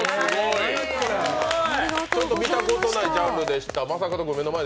ちょっと見たことないジャンルでした。